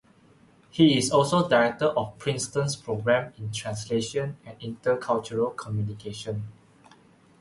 He is also director of Princeton's Program in Translation and Intercultural Communication.